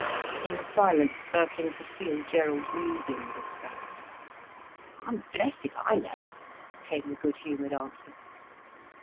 In the silence Birkin could feel Gerald musing this fact. "I'm blest if I know," came the good humoured answer.